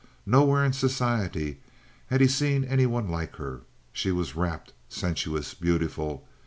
Nowhere in society had he seen any one like her. She was rapt, sensuous, beautiful.